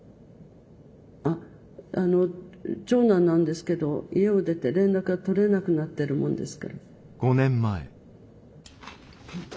ああの長男なんですけど家を出て連絡が取れなくなってるもんですから。